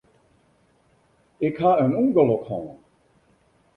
Ik ha in ûngelok hân.